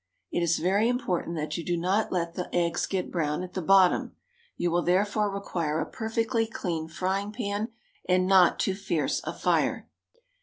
It is very important that you don't let the eggs get brown at the bottom; you will therefore require a perfectly clean frying pan and not too fierce a fire.